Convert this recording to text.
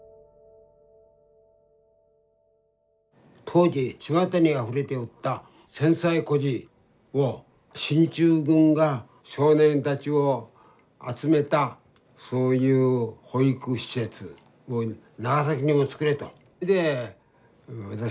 当時ちまたにあふれておった戦災孤児を進駐軍が「少年たちを集めたそういう保育施設を長崎にもつくれ！」と。